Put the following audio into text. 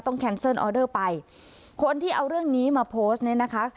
แคนเซิลออเดอร์ไปคนที่เอาเรื่องนี้มาโพสต์เนี่ยนะคะ